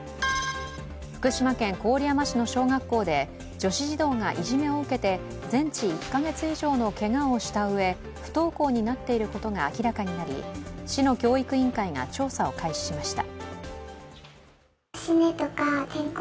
福島県郡山市の小学校で女子児童がいじめを受けて全治１か月以上のけがをしたうえ不登校になっていることが明らかになり、市の教育委員会が調査を開始しました。